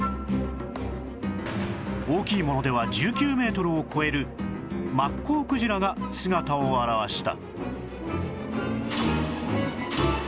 大きいものでは１９メートルを超えるマッコウクジラが姿を現した